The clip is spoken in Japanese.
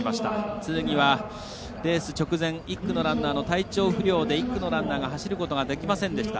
つるぎは、レース直前体調不良で１区のランナーが走ることができませんでした。